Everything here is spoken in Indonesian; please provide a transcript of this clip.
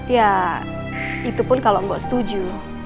ya itu pun kalau mbak setuju